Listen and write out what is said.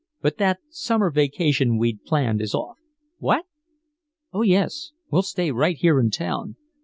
"But that summer vacation we'd planned is off." "What?" "Oh, yes, we'll stay right here in town.